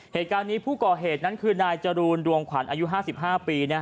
เหตุการณ์นี้ผู้ก่อเหตุนั้นคือนายจรูนดวงขวัญอายุ๕๕ปี